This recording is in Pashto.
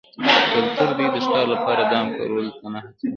کلتور دوی د ښکار لپاره دام کارولو ته نه هڅول